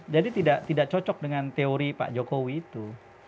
jadi tidak cocok dengan teori pak jokowi itu